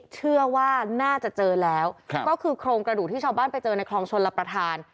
เชื่อว่าน่าจะเจอแล้วก็คือโครงกระดูกที่ชาวบ้านไปเจอในคลองชนรับประทาน